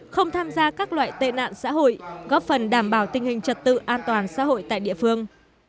không tham gia các loại tệ nạn xã hội góp phần đảm bảo tình hình trật tự an toàn xã hội tại địa phương